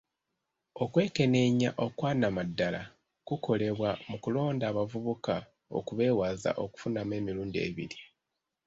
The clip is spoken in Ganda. Okwekenneenya okwa nnamaddala kukolebwa mu kulonda abavubuka okubeewaza okufunamu emirundi ebiri.